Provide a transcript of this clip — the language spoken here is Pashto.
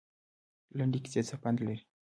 لنډې کیسې څه پند لري؟